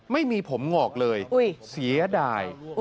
ไม่มีผมหงอกเลยเสียดาย